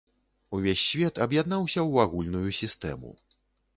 Увесь свет аб'яднаўся ў агульную сістэму.